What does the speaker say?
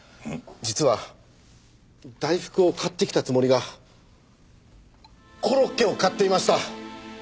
実は大福を買ってきたつもりがコロッケを買っていました！